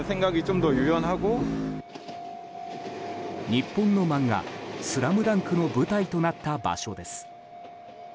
日本の漫画「ＳＬＡＭＤＵＮＫ」の舞台となった場所です。